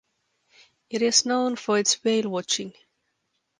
It is known for its whale watching.